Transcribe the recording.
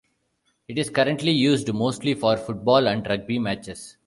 It is currently used mostly for football and rugby matches.